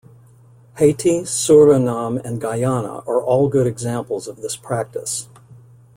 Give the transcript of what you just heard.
Haiti, Suriname and Guyana are all good examples of this practice.